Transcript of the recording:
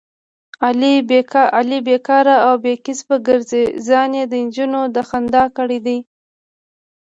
علي بیکاره او بې کسبه ګرځي، ځان یې دنجونو د خندا کړی دی.